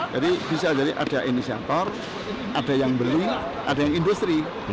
jadi bisa jadi ada inisiator ada yang beli ada yang industri